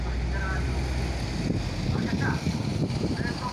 چي په وینو یې د ورور سره وي لاسونه!.